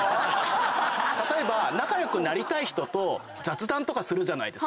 例えば仲良くなりたい人と雑談とかするじゃないですか。